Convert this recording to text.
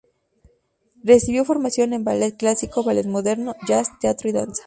Recibió formación en ballet clásico, ballet moderno, jazz, teatro y danza.